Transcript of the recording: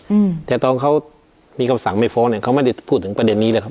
อืมแต่ตอนเขามีคำสั่งไม่ฟ้องเนี้ยเขาไม่ได้พูดถึงประเด็นนี้เลยครับ